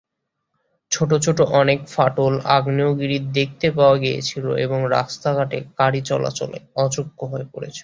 ছোট ছোট অনেক ফাটল/আগ্নেয়গিরি দেখতে পাওয়া গিয়েছিল এবং রাস্তাঘাট গাড়ি চলাচলে অযোগ্য হয়ে পড়েছিল।